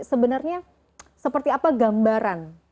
sebenarnya seperti apa gambaran